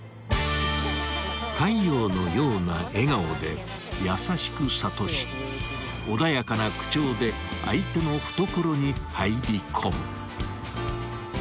［太陽のような笑顔で優しく諭し穏やかな口調で相手の懐に入り込む］